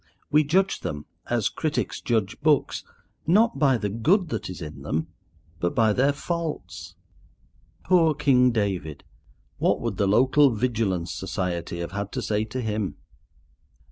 We judge them, as critics judge books, not by the good that is in them, but by their faults. Poor King David! What would the local Vigilance Society have had to say to him?